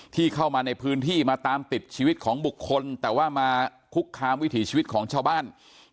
ที่เข้ามาในพื้นที่มาตามติดชีวิตของบุคคลแต่ว่ามาคุกคามวิถีชีวิตของชาวบ้าน